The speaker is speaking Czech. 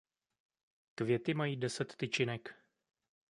Květy mají deset tyčinek.